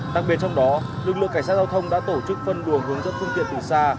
đặc biệt trong đó lực lượng cảnh sát giao thông đã tổ chức phân luồng hướng dẫn phương tiện từ xa